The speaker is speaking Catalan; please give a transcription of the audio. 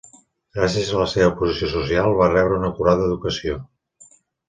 Gràcies a la seva posició social, va rebre una acurada educació.